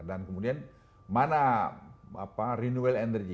dan kemudian mana renewal energy